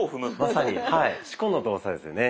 まさに四股の動作ですね。